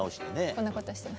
こんなことしてます。